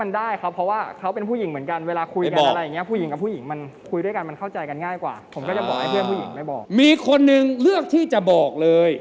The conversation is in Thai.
หรือว่าก็เลือกทั้งเพื่อนทั้งเราก็ไม่บอก